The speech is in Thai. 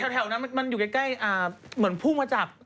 แถวนั้นมันอยู่ใกล้เหมือนพุ่งมาจับ